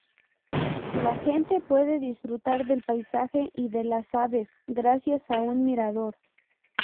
La gente puede disfrutar del paisaje y de las aves gracias a un mirador.